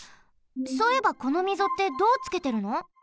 そういえばこのみぞってどうつけてるの？